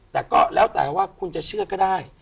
แต่ก็แล้วแต่ว่าคุณจะเชื่อก็ได้